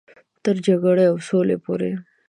تر جګړې او سولې پورې.